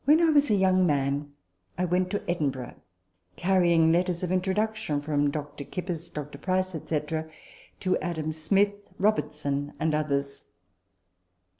" When a young man, I went to Edinburgh, carry ing letters of introduction (from Dr. Kippis, Dr. Price, &c.) to Adam Smith, Robertson, and others.